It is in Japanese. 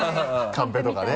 カンペとかね。